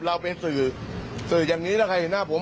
เราเป็นสื่อสื่ออย่างนี้แล้วใครเห็นหน้าผม